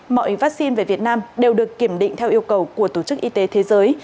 mọi vaccine về việt nam đều được kiểm định theo yêu cầu của tổ chức y tế thế giới